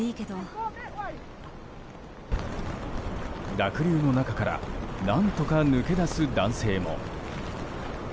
濁流の中から何とか抜け出す男性も。